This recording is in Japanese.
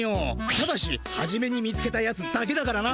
ただしはじめに見つけたやつだけだからな。